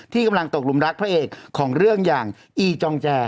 กำลังตกลุมรักพระเอกของเรื่องอย่างอีจองแจ